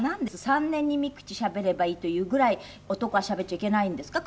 「三年に三口しゃべればいい」というぐらい男はしゃべっちゃいけないんですか？